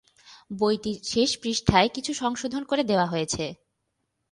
বইটির শেষ পৃষ্ঠায় কিছু সংশোধন করে দেওয়া হয়েছে।